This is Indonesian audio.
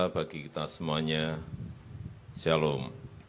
bagi kita semuanya shalom